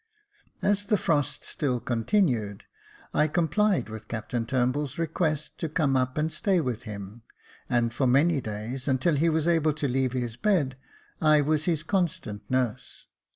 As the frost still continued, I complied with Captain TurnbuU's request to come up and stay with him, and for many days, until he was able to leave his bed I was his constant nurse.